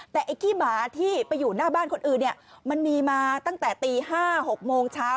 แต่ไอ้ขี้หมาที่ไปอยู่หน้าบ้านคนอื่นเนี่ยมันมีมาตั้งแต่ตี๕๖โมงเช้า